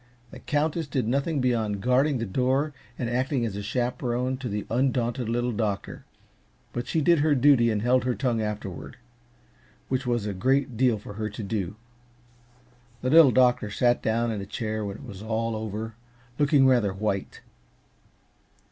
The Countess did nothing beyond guarding the door and acting as chaperon to the undaunted Little Doctor; but she did her duty and held her tongue afterward which was a great deal for her to do. The Little Doctor sat down in a chair, when it was all over, looking rather white.